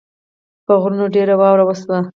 په غرونو ډېره واوره وشوه